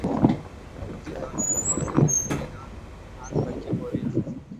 இதுதான் என் பிறந்த ஊர் இங்கேதான் நான் படிக்கப் போறேன்.